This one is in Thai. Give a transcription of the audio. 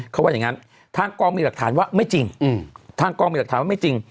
เขาว่าอย่างนั้นทางกองมีหลักฐานว่าไม่จริง